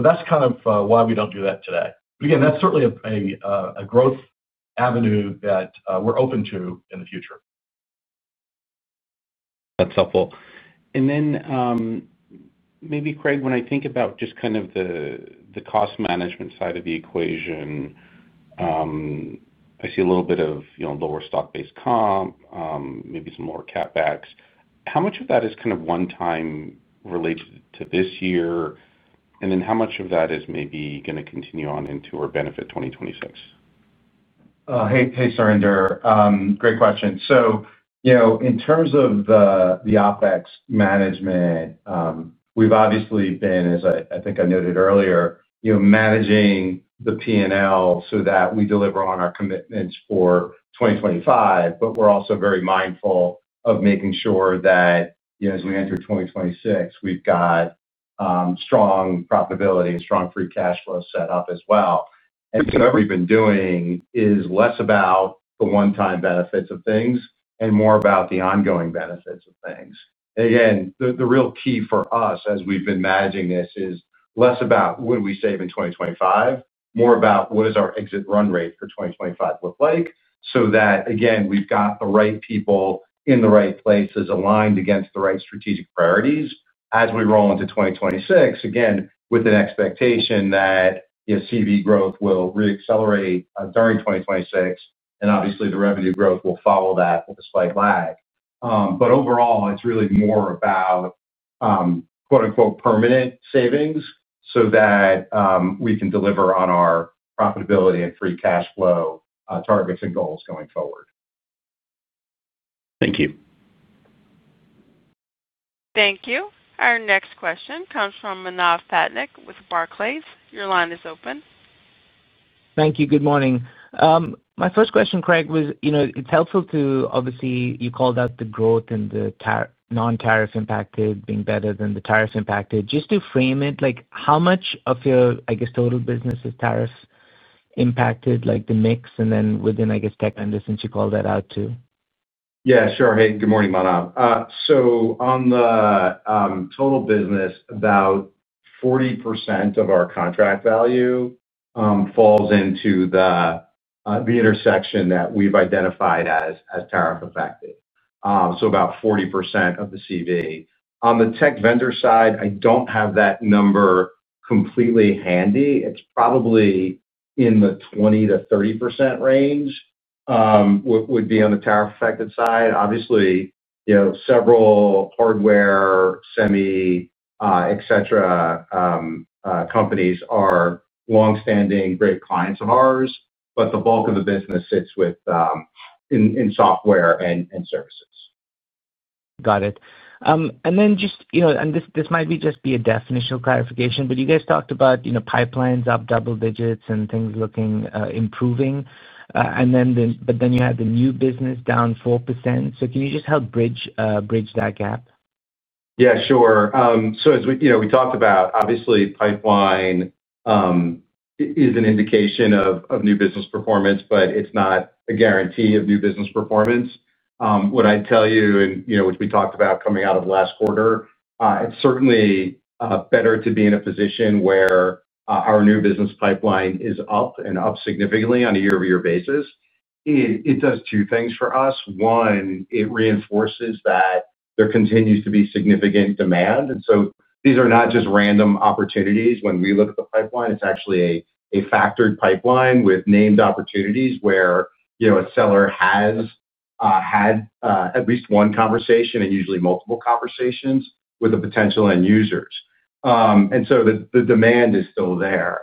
That's kind of why we don't do that today. But again, that's certainly a growth avenue that we're open to in the future. That's helpful. And then. Maybe, Craig, when I think about just kind of the cost management side of the equation. I see a little bit of lower stock-based comp, maybe some lower CapEx. How much of that is kind of one-time related to this year, and then how much of that is maybe going to continue on into or benefit 2026? Hey, Surinder. Great question. So. In terms of the OpEx management. We've obviously been, as I think I noted earlier, managing the P&L so that we deliver on our commitments for 2025, but we're also very mindful of making sure that. As we enter 2026, we've got. Strong profitability and strong free cash flow set up as well. And so what we've been doing is less about the one-time benefits of things and more about the ongoing benefits of things. Again, the real key for us as we've been managing this is less about what do we save in 2025, more about what does our exit run rate for 2025 look like so that, again, we've got the right people in the right places aligned against the right strategic priorities as we roll into 2026, again, with an expectation that. CV growth will re-accelerate during 2026, and obviously, the revenue growth will follow that with a slight lag. Overall, it's really more about "permanent savings" so that we can deliver on our profitability and free cash flow targets and goals going forward. Thank you. Thank you. Our next question comes from Manav Patnaik with Barclays. Your line is open. Thank you. Good morning. My first question, Craig, was it's helpful to obviously, you called out the growth and the non-tariff impacted being better than the tariff impacted. Just to frame it, how much of your, I guess, total business is tariff impacted, the mix, and then within, I guess, tech vendors since you called that out too? Yeah, sure. Hey, good morning, Manav. So on the total business, about 40% of our contract value falls into the intersection that we've identified as tariff-affected. So about 40% of the CV. On the tech vendor side, I don't have that number completely handy. It's probably in the 20-30% range. Would be on the tariff-affected side. Obviously, several hardware, semi, etc. companies are longstanding great clients of ours, but the bulk of the business sits in software and services. Got it. And then just, and this might just be a definitional clarification, but you guys talked about pipelines up double digits and things looking improving. But then you had the new business down 4%. Can you just help bridge that gap? Yeah, sure. As we talked about, obviously, pipeline is an indication of new business performance, but it's not a guarantee of new business performance. What I'd tell you, and which we talked about coming out of last quarter, it's certainly better to be in a position where our new business pipeline is up and up significantly on a year-over-year basis. It does two things for us. One, it reinforces that there continues to be significant demand. These are not just random opportunities when we look at the pipeline. It's actually a factored pipeline with named opportunities where a seller has had at least one conversation and usually multiple conversations with the potential end users. The demand is still there.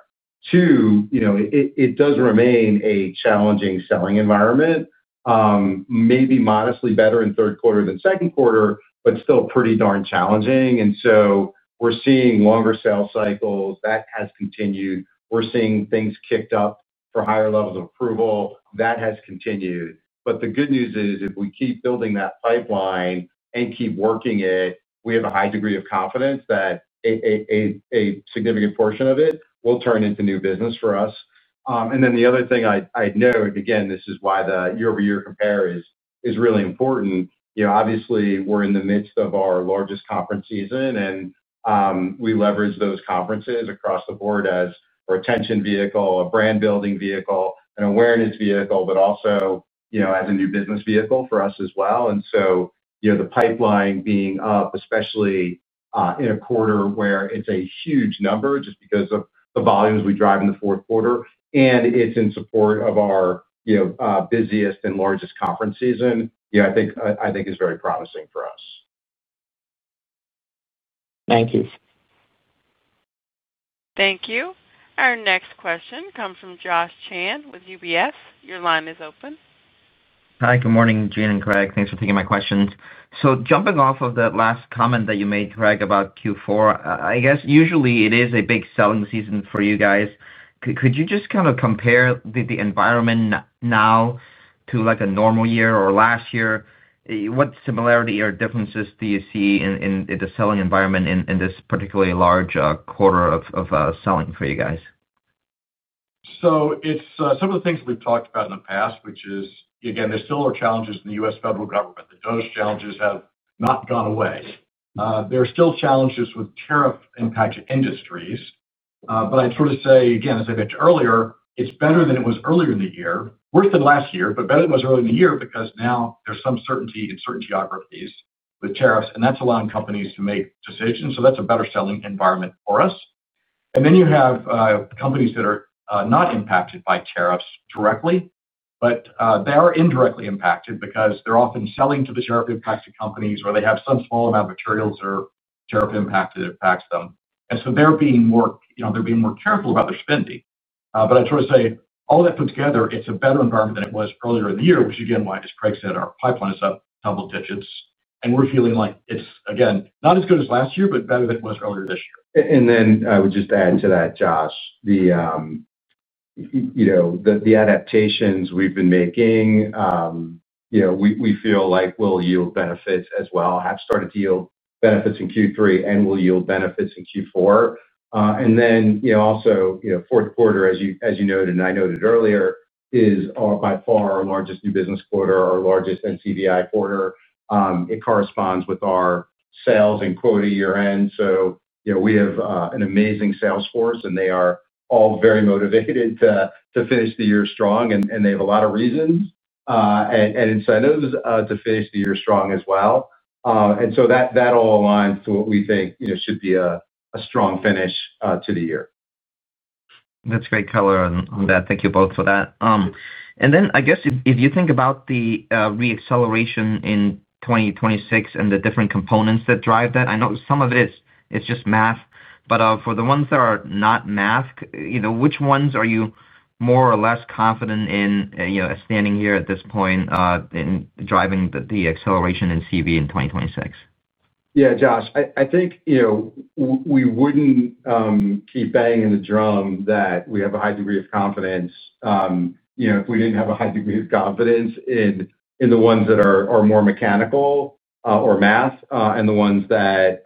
Two, it does remain a challenging selling environment. Maybe modestly better in third quarter than second quarter, but still pretty darn challenging. We're seeing longer sales cycles. That has continued. We're seeing things kicked up for higher levels of approval. That has continued. The good news is, if we keep building that pipeline and keep working it, we have a high degree of confidence that a significant portion of it will turn into new business for us. The other thing I'd note, again, this is why the year-over-year compare is really important. Obviously, we're in the midst of our largest conference season, and we leverage those conferences across the board as a retention vehicle, a brand-building vehicle, an awareness vehicle, but also as a new business vehicle for us as well. The pipeline being up, especially in a quarter where it's a huge number just because of the volumes we drive in the fourth quarter, and it's in support of our busiest and largest conference season, I think is very promising for us. Thank you. Thank you. Our next question comes from Josh Chan with UBS. Your line is open. Hi. Good morning, Gene and Craig. Thanks for taking my questions. Jumping off of that last comment that you made, Craig, about Q4, I guess usually it is a big selling season for you guys. Could you just kind of compare the environment now to a normal year or last year? What similarity or differences do you see in the selling environment in this particularly large quarter of selling for you guys? It's some of the things we've talked about in the past, which is, again, there still are challenges in the U.S. federal government. Those challenges have not gone away. There are still challenges with tariff-impacted industries. I'd sort of say, again, as I mentioned earlier, it's better than it was earlier in the year. Worse than last year, but better than it was earlier in the year because now there's some certainty in certain geographies with tariffs, and that's allowing companies to make decisions. That's a better selling environment for us. You have companies that are not impacted by tariffs directly, but they are indirectly impacted because they're often selling to the tariff-impacted companies where they have some small amount of materials that are tariff-impacted that impacts them. They are being more careful about their spending. I'd sort of say, all that put together, it's a better environment than it was earlier in the year, which, again, why, as Craig said, our pipeline is up double digits. We're feeling like it's, again, not as good as last year, but better than it was earlier this year. I would just add to that, Josh, the adaptations we've been making. We feel like will yield benefits as well, have started to yield benefits in Q3, and will yield benefits in Q4. Also, fourth quarter, as you noted and I noted earlier, is by far our largest new business quarter, our largest NCBI quarter. It corresponds with our sales and quota year-end. We have an amazing sales force, and they are all very motivated to finish the year strong. They have a lot of reasons and incentives to finish the year strong as well. That all aligns to what we think should be a strong finish to the year. That's great color on that. Thank you both for that. If you think about the re-acceleration in 2026 and the different components that drive that, I know some of it is just math. For the ones that are not math, which ones are you more or less confident in standing here at this point in driving the acceleration in CV in 2026? Yeah, Josh, I think we wouldn't keep banging the drum that we have a high degree of confidence if we didn't have a high degree of confidence in the ones that are more mechanical or math and the ones that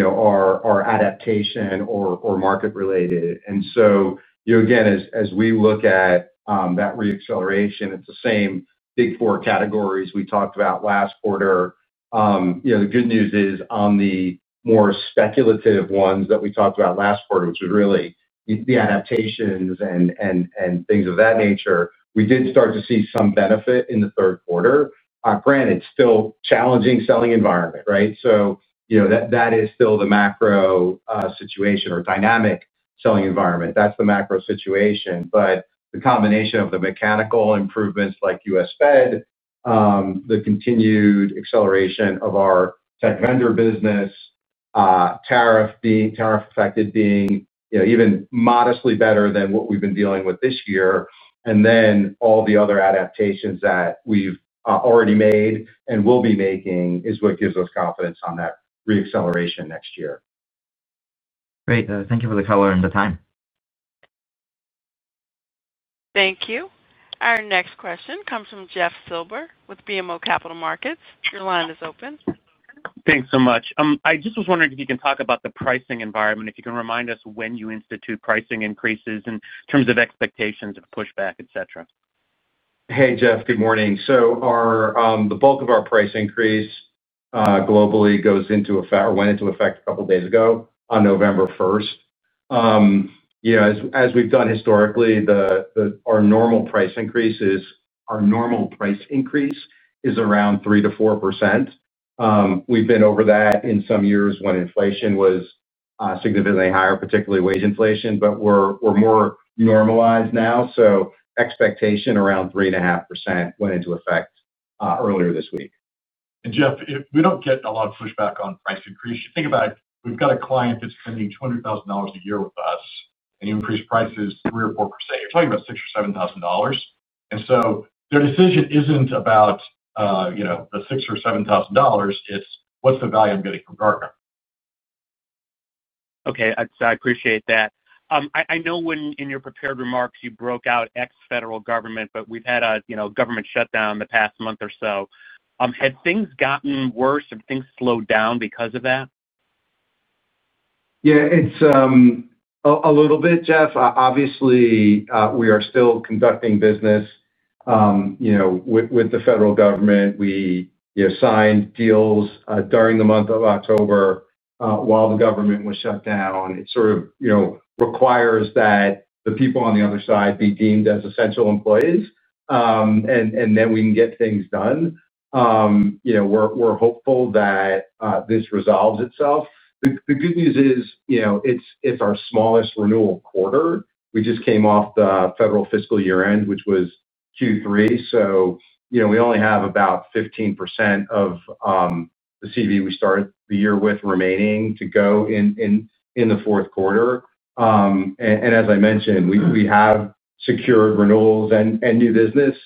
are adaptation or market-related. As we look at that re-acceleration, it's the same big four categories we talked about last quarter. The good news is, on the more speculative ones that we talked about last quarter, which was really the adaptations and things of that nature, we did start to see some benefit in the third quarter. Granted, still challenging selling environment, right? That is still the macro situation or dynamic selling environment. That's the macro situation. The combination of the mechanical improvements like US Fed, the continued acceleration of our tech vendor business, tariff-affected being even modestly better than what we've been dealing with this year, and then all the other adaptations that we've already made and will be making is what gives us confidence on that re-acceleration next year. Great. Thank you for the color and the time. Thank you. Our next question comes from Jeff Silber with BMO Capital Markets. Your line is open. Thanks so much. I just was wondering if you can talk about the pricing environment, if you can remind us when you institute pricing increases in terms of expectations of pushback, etc. Hey, Jeff, good morning. The bulk of our price increase globally goes into effect or went into effect a couple of days ago on November 1st. As we've done historically, our normal price increase is around 3-4%. We've been over that in some years when inflation was significantly higher, particularly wage inflation, but we're more normalized now. Expectation around 3.5% went into effect earlier this week. Jeff, we don't get a lot of pushback on price increase. You think about it, we've got a client that's spending $200,000 a year with us, and you increase prices 3% or 4%, you're talking about $6,000 or $7,000. Their decision isn't about the $6,000 or $7,000. It's what's the value I'm getting from Gartner. Okay. I appreciate that. I know when in your prepared remarks you broke out ex-federal government, but we've had a government shutdown the past month or so. Had things gotten worse? Have things slowed down because of that? Yeah. A little bit, Jeff. Obviously, we are still conducting business with the federal government. We signed deals during the month of October while the government was shut down. It sort of requires that the people on the other side be deemed as essential employees, and then we can get things done. We're hopeful that this resolves itself. The good news is it's our smallest renewal quarter. We just came off the federal fiscal year-end, which was Q3. We only have about 15% of the CV we started the year with remaining to go in the fourth quarter. As I mentioned, we have secured renewals and new business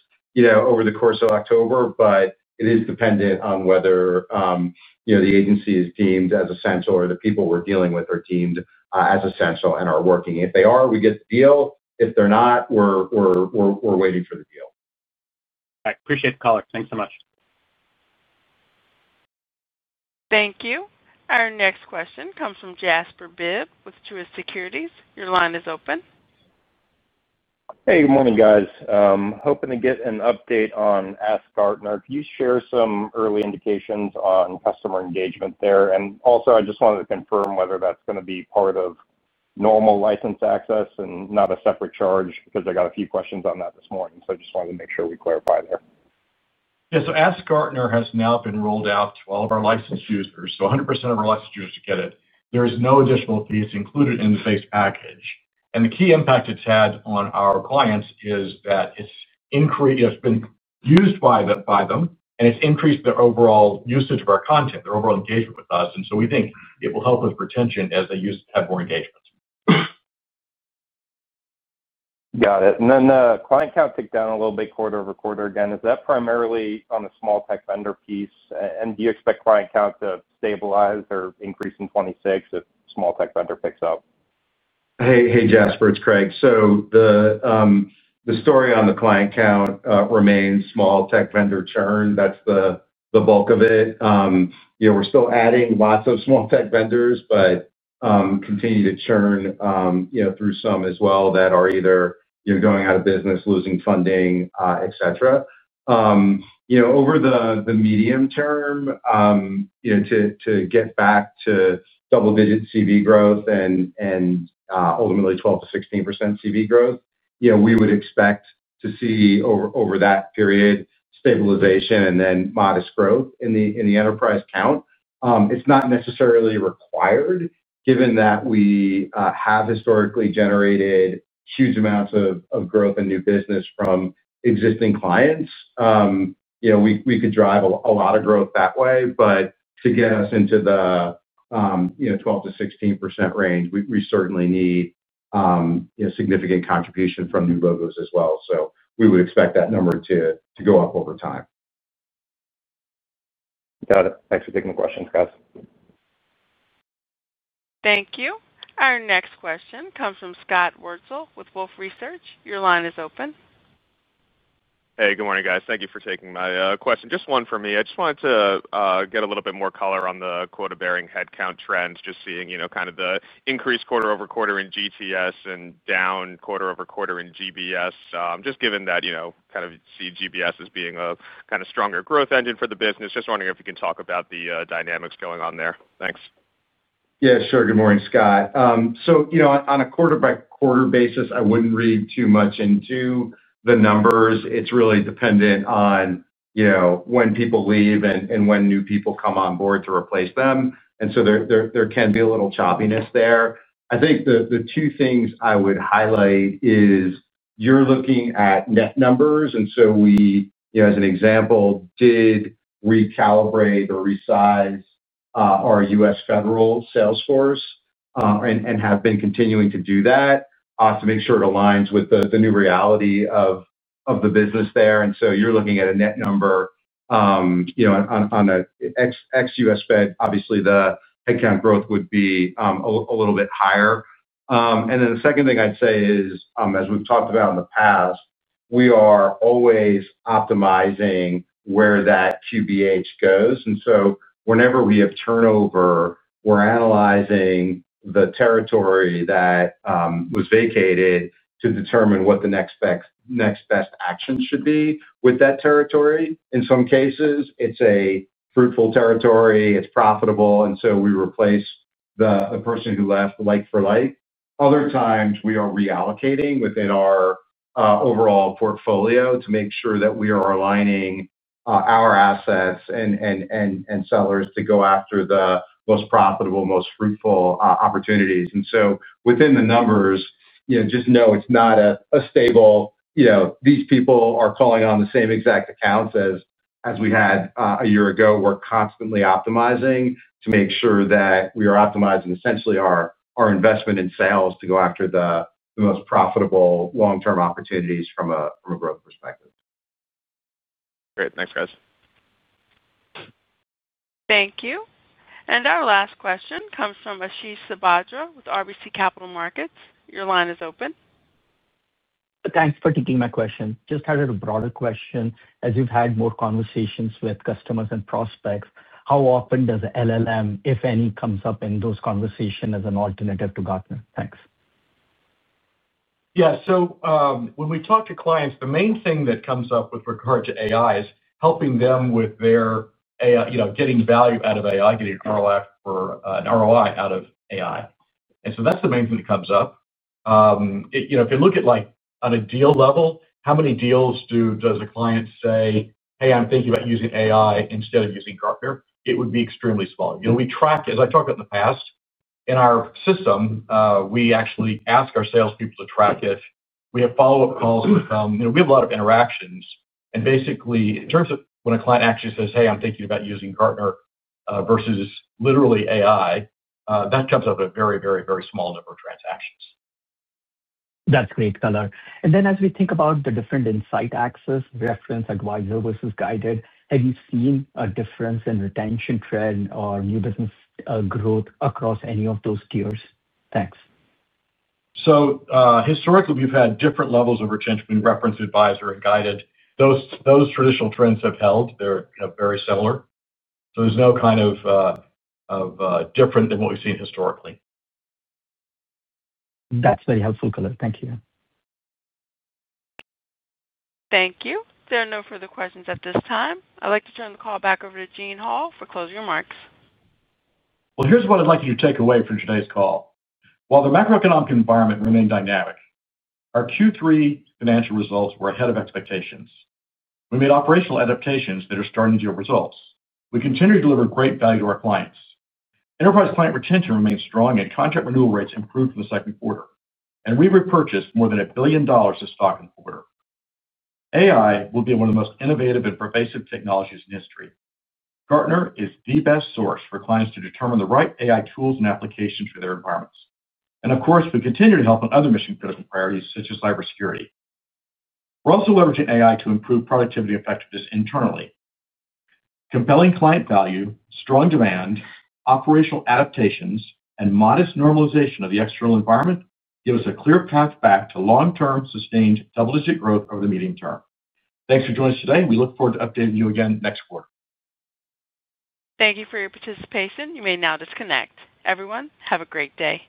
over the course of October, but it is dependent on whether the agency is deemed as essential or the people we're dealing with are deemed as essential and are working. If they are, we get the deal. If they're not, we're waiting for the deal. I appreciate the color. Thanks so much. Thank you. Our next question comes from Jasper Bibb with Truist Securities. Your line is open. Hey, good morning, guys. Hoping to get an update on AskGartner. Can you share some early indications on customer engagement there? I just wanted to confirm whether that's going to be part of normal license access and not a separate charge because I got a few questions on that this morning. I just wanted to make sure we clarify there. Yeah. Ask Gartner has now been rolled out to all of our licensed users. 100% of our licensed users get it. There is no additional fees included in the base package. The key impact it has had on our clients is that it has been used by them, and it has increased their overall usage of our content, their overall engagement with us. We think it will help with retention as they have more engagement. Got it. The client count ticked down a little bit quarter over quarter again. Is that primarily on the small tech vendor piece? Do you expect client count to stabilize or increase in 2026 if small tech vendor picks up? Hey, Jasper. It is Craig. The story on the client count remains small tech vendor churn. That is the bulk of it. We are still adding lots of small tech vendors, but continue to churn through some as well that are either going out of business, losing funding, etc. Over the medium term, to get back to double-digit CV growth and ultimately 12-16% CV growth, we would expect to see over that period stabilization and then modest growth in the enterprise count. It is not necessarily required, given that we have historically generated huge amounts of growth and new business from existing clients. We could drive a lot of growth that way. To get us into the 12%-16% range, we certainly need significant contribution from new logos as well. We would expect that number to go up over time. Got it. Thanks for taking the questions, guys. Thank you. Our next question comes from Scott Wurtzel with Wolfe Research. Your line is open. Hey, good morning, guys. Thank you for taking my question. Just one for me. I just wanted to get a little bit more color on the quota-bearing headcount trend, just seeing kind of the increase quarter over quarter in GTS and down quarter over quarter in GBS. Just given that kind of see GBS as being a kind of stronger growth engine for the business, just wondering if you can talk about the dynamics going on there. Thanks. Yeah, sure. Good morning, Scott. On a quarter-by-quarter basis, I would not read too much into the numbers. It is really dependent on when people leave and when new people come on board to replace them. There can be a little choppiness there. I think the two things I would highlight is you are looking at net numbers. As an example, we did recalibrate or resize our US federal sales force and have been continuing to do that to make sure it aligns with the new reality of the business there. You are looking at a net number. On an ex-US Fed, obviously, the headcount growth would be a little bit higher. The second thing I would say is, as we have talked about in the past, we are always optimizing where that QBH goes. Whenever we have turnover, we are analyzing the territory that was vacated to determine what the next best action should be with that territory. In some cases, it's a fruitful territory. It's profitable. And so we replace the person who left like for like. Other times, we are reallocating within our overall portfolio to make sure that we are aligning our assets and sellers to go after the most profitable, most fruitful opportunities. Within the numbers, just know it's not a stable. These people are calling on the same exact accounts as we had a year ago. We're constantly optimizing to make sure that we are optimizing essentially our investment in sales to go after the most profitable long-term opportunities from a growth perspective. Great. Thanks, guys. Thank you. Our last question comes from Ashish Sabadra with RBC Capital Markets. Your line is open. Thanks for taking my question. Just kind of a broader question. As we've had more conversations with customers and prospects, how often does LLM, if any, come up in those conversations as an alternative to Gartner? Thanks. Yeah. When we talk to clients, the main thing that comes up with regard to AI is helping them with their getting value out of AI, getting an ROI out of AI. That's the main thing that comes up. If you look at on a deal level, how many deals does a client say, "Hey, I'm thinking about using AI instead of using Gartner?" It would be extremely small. As I talked about in the past, in our system, we actually ask our salespeople to track it. We have follow-up calls with them. We have a lot of interactions. Basically, in terms of when a client actually says, "Hey, I'm thinking about using Gartner versus literally AI," that comes up at very, very, very small number of transactions. That's great, color. As we think about the different insight access, reference, advisor versus guided, have you seen a difference in retention trend or new business growth across any of those tiers? Thanks. Historically, we've had different levels of retention between reference, advisor, and guided. Those traditional trends have held. They're very similar. There's no kind of different than what we've seen historically. That's very helpful, color. Thank you. Thank you. There are no further questions at this time. I'd like to turn the call back over to Gene Hall for closing remarks. Here's what I'd like you to take away from today's call. While the macroeconomic environment remained dynamic, our Q3 financial results were ahead of expectations. We made operational adaptations that are starting to yield results. We continue to deliver great value to our clients. Enterprise client retention remained strong, and contract renewal rates improved for the second quarter. We repurchased more than $1 billion of stock in the quarter. AI will be one of the most innovative and pervasive technologies in history. Gartner is the best source for clients to determine the right AI tools and applications for their environments. Of course, we continue to help on other mission-critical priorities such as cybersecurity. We're also leveraging AI to improve productivity and effectiveness internally. Compelling client value, strong demand, operational adaptations, and modest normalization of the external environment give us a clear path back to long-term sustained double-digit growth over the medium term. Thanks for joining us today. We look forward to updating you again next quarter. Thank you for your participation. You may now disconnect. Everyone, have a great day.